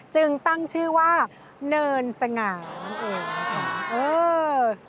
จึงตั้งชื่อว่าเนินสง่านั่นเองนะคะ